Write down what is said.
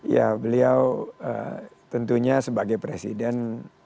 ya beliau tentunya sebagai presiden